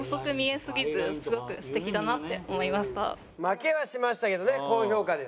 負けはしましたけどね高評価です。